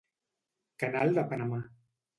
Canal de Panamà.